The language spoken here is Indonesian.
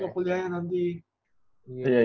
supaya masuk ke kuliahnya nanti